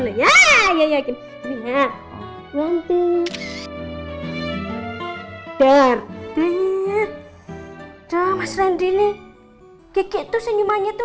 lo ya ya ya gini ya one thing berdengar jelas rendi nih kek itu senyumannya itu